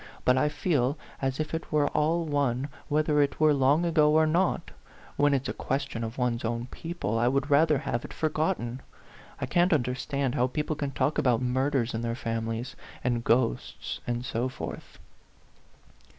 But I feel as if it were all one whether it were long ago or not; when it's a question of one's own people, I would rather have it forgotten. I can't understand how people can talk about murders in their families, and ghosts, and so forth."